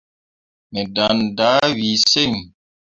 Me ɗaŋne dah wii sen.